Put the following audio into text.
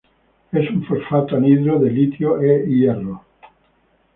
Es un fosfato anhidro de litio e hierro.